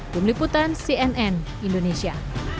pemliputan cnn indonesia